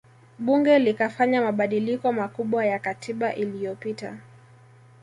Bunge likafanya mabadiliko makubwa ya katiba iliyopita